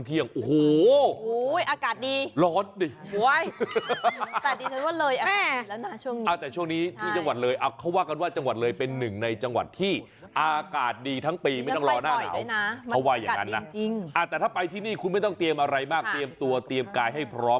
เพราะว่าอย่างนั้นนะแต่ถ้าไปที่นี่คุณไม่ต้องเตรียมอะไรมากเตรียมตัวเตรียมกายให้พร้อม